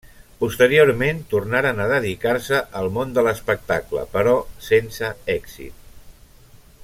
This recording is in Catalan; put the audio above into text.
Posteriorment tornaren a dedicar-se al món de l'espectacle però sense èxit.